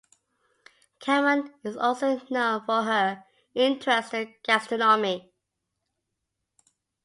Calmon is also known for her interest in gastronomy.